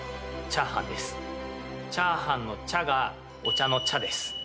チャーハンの「チャ」がお茶の「茶」です。